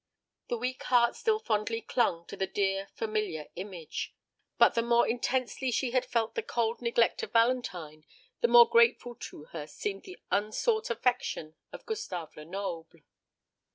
The weak heart still fondly clung to the dear familiar image. But the more intensely she had felt the cold neglect of Valentine, the more grateful to her seemed the unsought affection of Gustave Lenoble.